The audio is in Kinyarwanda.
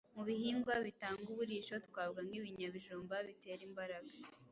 Mu bihingwa bitanga uburisho twavuga nk’ibinyabijumba bitera imbaraga